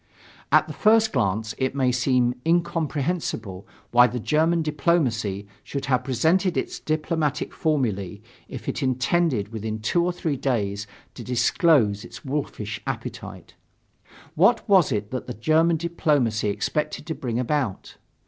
At the first glance it may seem incomprehensible why the German diplomacy should have presented its democratic formulae if it intended within two or three days to disclose its wolfish appetite. What was it that the German diplomacy expected to bring about?